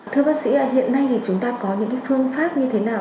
thưa bác sĩ hiện nay thì chúng ta có những phương pháp như thế nào